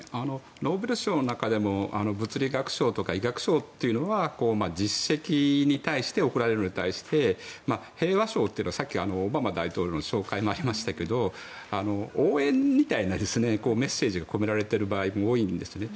ノーベル賞の中でも物理学賞とか医学賞というのは実績に対して贈られるのに対して平和賞というのはさっき、オバマ大統領の紹介もありましたが応援みたいなメッセージが込められてる場合も多いんですね。